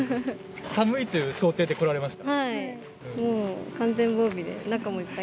寒いという想定で来られましはい。